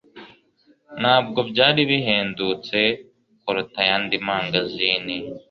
Ntabwo byari bihendutse kuruta ayandi mangazini.